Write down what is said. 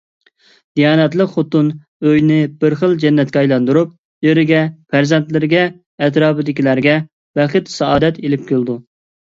دىيانەتلىك خوتۇن ئۆينى بىر خىل جەننەتكە ئايلاندۇرۇپ، ئېرىگە، پەرزەنتلىرىگە، ئەتراپىدىكىلەرگە بەخت-سائادەت ئېلىپ كېلىدۇ.